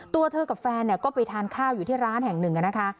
ตัวเธอกับแฟนก็ไปทานข้าวอยู่ที่ร้านแห่งหนึ่งนะคะ